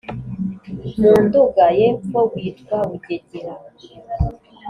mu Nduga y’epfo witwa Bugegera,